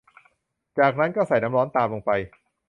จากนั้นก็ใส่น้ำร้อนตามลงไป